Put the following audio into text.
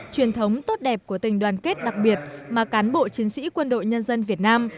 truyền thống tốt đẹp của tình đoàn kết đặc biệt mà cán bộ chiến sĩ quân đội nhân dân việt nam